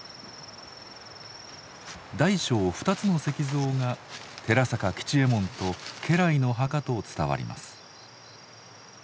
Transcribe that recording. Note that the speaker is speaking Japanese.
大小２つの石像が寺坂吉右衛門と家来の墓と伝わります。